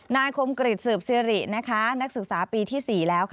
นายโคมกริจสืบซีรินักศึกษาปีที่๔แล้ว